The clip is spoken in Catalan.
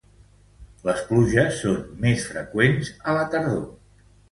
Les pluges són més freqüents a la tardor.